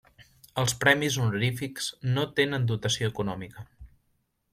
Els premis honorífics no tenen dotació econòmica.